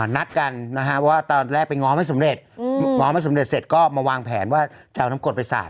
นัดกันนะฮะว่าตอนแรกไปง้อไม่สำเร็จง้อไม่สำเร็จเสร็จก็มาวางแผนว่าจะเอาน้ำกรดไปสาด